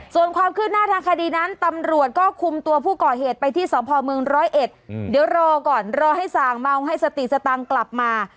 ส่วนความคืบหน้าทางคดีนั้นตำรวจก็คุมตัวผู้ก่อเหตุไปที่สพเมืองร้อยเอ็ดเดี๋ยวรอก่อนรอให้ส่างเมาให้สติสตังค์กลับมา